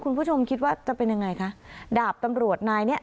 คุณผู้ชมคิดว่าจะเป็นยังไงคะดาบตำรวจนายเนี้ย